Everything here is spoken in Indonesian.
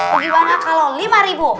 bagaimana kalau lima ribu